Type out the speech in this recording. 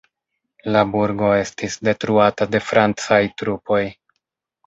La burgo estis detruata de francaj trupoj.